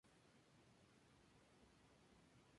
Todas las canciones producidas por Mike Leander.